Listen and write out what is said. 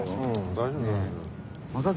大丈夫。